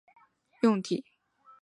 斯拉夫语使用体。